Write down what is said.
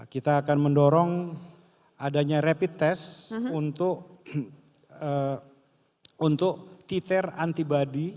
kita akan mendorong adanya rapid test untuk titer antibody